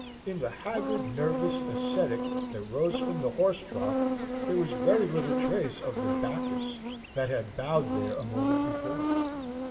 In the haggard, nervous ascetic that rose from the horse trough there was very little trace of the Bacchus that had bowed there a moment before.